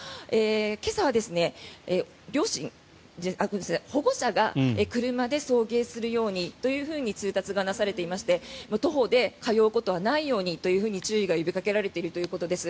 今朝は両親保護者が車で送迎するようにという通達がなされていまして徒歩で通うことはないようにと注意が呼びかけられているということです。